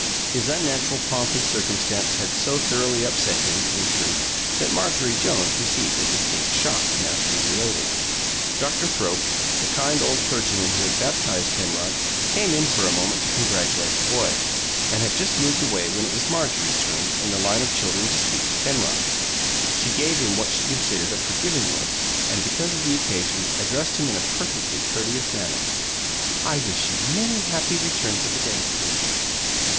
His unnatural pomp and circumstance had so thoroughly upset him, in truth, that Marjorie Jones received a distinct shock, now to be related. Doctor Thrope, the kind old clergyman who had baptized Penrod, came in for a moment to congratulate the boy, and had just moved away when it was Marjorie's turn, in the line of children, to speak to Penrod. She gave him what she considered a forgiving look, and, because of the occasion, addressed him in a perfectly courteous manner. "I wish you many happy returns of the day, Penrod."